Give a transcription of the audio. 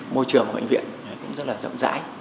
môi trường của bệnh viện cũng rất rộng rãi